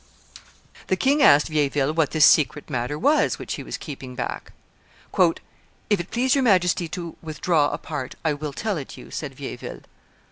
The king asked Vieilleville what this secret matter was which he was keeping back. "If it please your Majesty to withdraw apart, I will tell it you," said Vieilleville.